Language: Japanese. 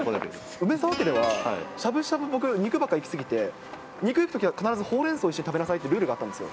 梅澤家では、しゃぶしゃぶ、僕、肉ばっかいき過ぎて、肉いくときはホウレンソウして食べなさいっていうルールがあったんですよ。